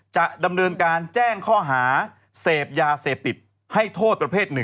จะดำเนินการแจ้งข้อหาเสพยาเสพติดให้โทษประเภท๑